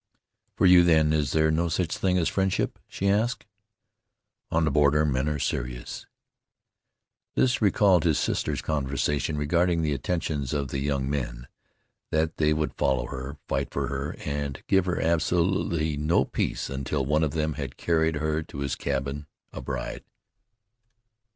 "For you, then, is there no such thing as friendship?" she asked. "On the border men are serious." This recalled his sister's conversation regarding the attentions of the young men, that they would follow her, fight for her, and give her absolutely no peace until one of them had carried her to his cabin a bride.